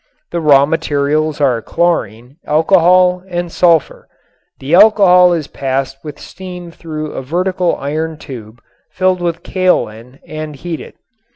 The raw materials are chlorine, alcohol and sulfur. The alcohol is passed with steam through a vertical iron tube filled with kaolin and heated.